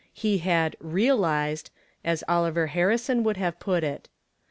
He had "realized," as Oliver Harrison would have put it.